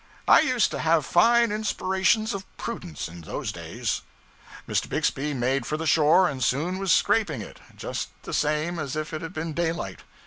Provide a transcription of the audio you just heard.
I used to have fine inspirations of prudence in those days. Mr. Bixby made for the shore and soon was scraping it, just the same as if it had been daylight.